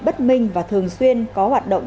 bất minh và thường xuyên có hoạt động